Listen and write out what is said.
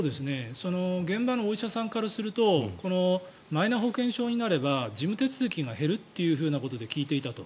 現場のお医者さんからするとマイナ保険証になれば事務手続きが減るということで聞いていたと。